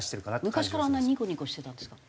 昔からあんなにニコニコしてたんですか？